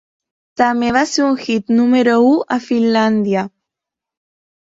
També va ser un hit número u a Finlàndia.